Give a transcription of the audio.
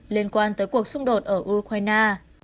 liên quan tới cuộc xung đột ở ukraine